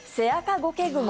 ゴケグモ。